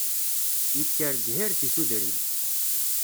Yekker zzhir di tudrin